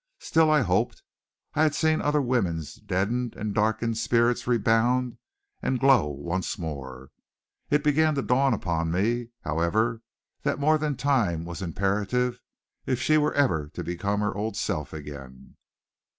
Still I hoped. I had seen other women's deadened and darkened spirits rebound and glow once more. It began to dawn upon me, however, that more than time was imperative if she were ever to become her old self again.